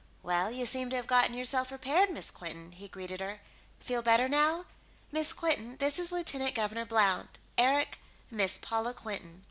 "Well, you seem to have gotten yourself repaired, Miss Quinton," he greeted her. "Feel better, now?... Miss Quinton, this is Lieutenant Governor Blount. Eric, Miss Paula Quinton."